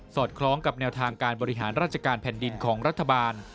อดคล้องกับแนวทางการบริหารราชการแผ่นดินของรัฐบาล